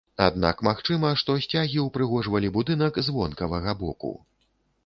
Аднак магчыма, што сцягі ўпрыгожвалі будынак з вонкавага боку.